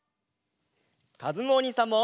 かずむおにいさんも！